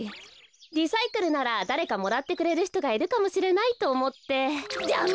リサイクルならだれかもらってくれるひとがいるかもしれないとおもって。